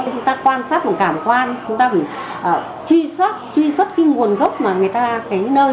chúng ta quan sát một cảm quan chúng ta phải truy xuất truy xuất cái nguồn gốc mà người ta cái nơi